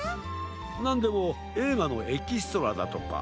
なんでもえいがのエキストラだとか。